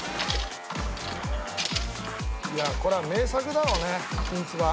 いやこれは名作だろうねきんつば。